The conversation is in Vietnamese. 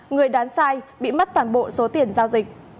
người bán sai bị mất toàn bộ số tiền giao dịch